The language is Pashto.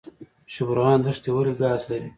شبرغان دښتې ولې ګاز لري؟